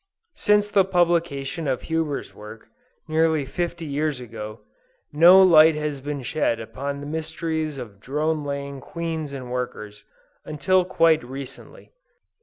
Since the publication of Huber's work, nearly 50 years ago, no light has been shed upon the mysteries of drone laying Queens and workers, until quite recently.